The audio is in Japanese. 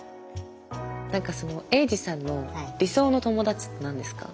何かそのエイジさんの理想の友達って何ですか？